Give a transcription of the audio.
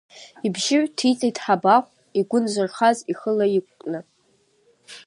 Ибжьы ҩҭицеит Ҳабахә, игәы нзырхаз ихы лаиқәкны.